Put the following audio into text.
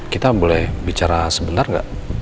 kita boleh bicara sebentar nggak